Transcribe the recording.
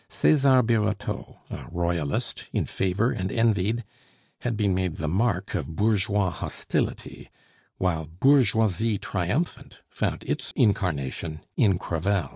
Cesar Birotteau, a Royalist, in favor and envied, had been made the mark of bourgeois hostility, while bourgeoisie triumphant found its incarnation in Crevel.